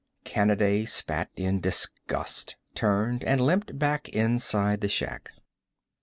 Kanaday spat in disgust, turned, and limped back inside the shack.